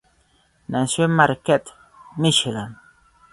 Nació en Marquette, Míchigan.